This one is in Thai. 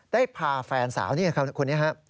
ได้พาแฟนสาวนี่นะครับคุณนี้ฮะ